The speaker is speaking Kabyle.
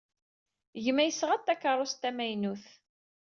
Gma yesɣa-d takeṛṛust tamaynut.